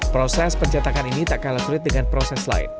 proses pencetakan ini tak kalah sulit dengan proses lain